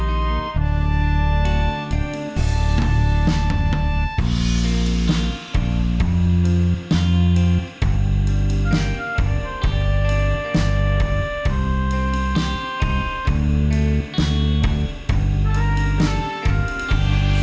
รักษี